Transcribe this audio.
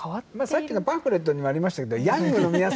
さっきのパンフレットにもありましたけどヤングの皆さんみたいな。